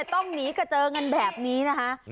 ต้องหนีกระเจิงกันแบบนี้นะคะ